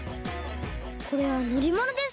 これはのりものですね。